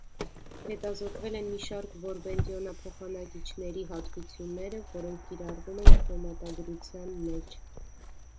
Հետազոտվել են մի շարք որբենտիոնափոխանակիչների հատկությունները, որոնք կիրառվում են քրոմատագրության մեջ։